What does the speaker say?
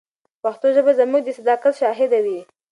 پښتو ژبه به زموږ د صداقت شاهده وي.